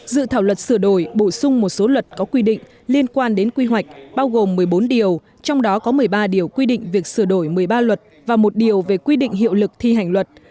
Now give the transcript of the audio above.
dự thảo luật sửa đổi bổ sung một số luật có quy định liên quan đến quy hoạch bao gồm một mươi bốn điều trong đó có một mươi ba điều quy định việc sửa đổi một mươi ba luật và một điều về quy định hiệu lực thi hành luật